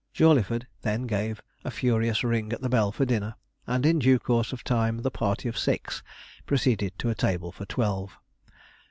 Jawleyford then gave a furious ring at the bell for dinner, and in due course of time the party of six proceeded to a table for twelve.